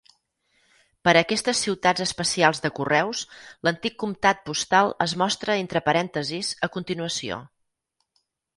Per a aquestes "ciutats especials de correus", l'antic comtat postal es mostra entre parèntesis a continuació.